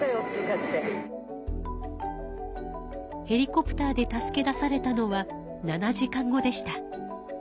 ヘリコプターに助け出されたのは７時間後でした。